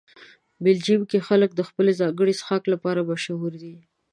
بلجیم کې خلک د خپل ځانګړي څښاک لپاره مشهوره دي.